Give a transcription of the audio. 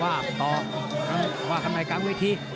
ว่าข้างในกลางเวที